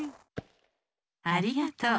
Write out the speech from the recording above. ありがとう！